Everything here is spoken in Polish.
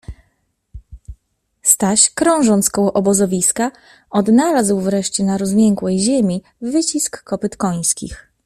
Staś, krążąc koło obozowiska, odnalazł wreszcie na rozmiękłej ziemi wyciski kopyt końskich.